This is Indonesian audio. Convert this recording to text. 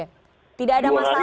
jadi tidak ada masalah